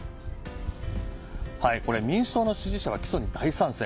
民主党の支持者は起訴に大賛成